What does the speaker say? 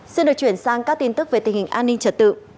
xin được chuyển sang các tin tức về tình hình an ninh trật tự